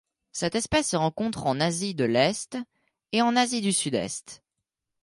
Cette espèce se rencontre en Asie de l'Est et en Asie du Sud-Est.